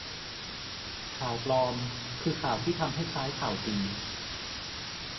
ข่าวปลอมคือข่าวที่ทำให้คล้ายข่าวจริง